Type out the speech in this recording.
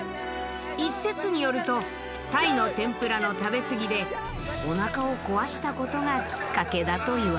一説によると鯛の天ぷらの食べ過ぎでおなかを壊したことがきっかけだといわれている。